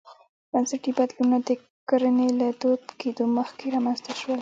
بنسټي بدلونونه د کرنې له دود کېدو مخکې رامنځته شول.